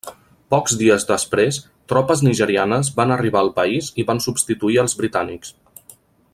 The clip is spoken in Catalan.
Pocs dies després tropes nigerianes van arribar al país i van substituir als britànics.